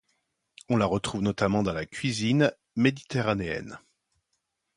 On la retrouve notamment dans la cuisine méditerranéene.